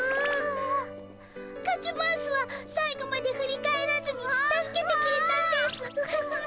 カズマウスは最後まで振り返らずに助けてくれたんですぅ。